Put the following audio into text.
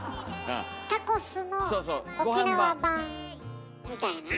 タコスの沖縄版みたいな。